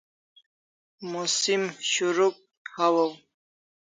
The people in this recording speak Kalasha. Musim shurukh hawaw